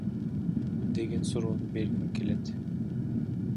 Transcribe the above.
деген суроону бергим келет.